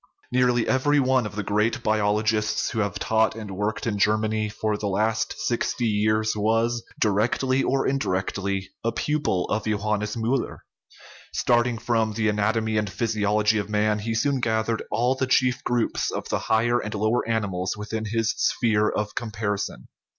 Nearly every one of the great biologists who have taught and worked in Germany for the last sixty years was, directly or in 5 45 THE RIDDLE OF THE UNIVERSE directly, a pupil of Johannes Mtiller. Starting from the anatomy and physiology of man, he soon gathered all the chief groups of the higher and lower animals within his sphere of comparison.